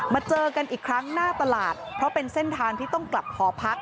เจอกันอีกครั้งหน้าตลาดเพราะเป็นเส้นทางที่ต้องกลับหอพัก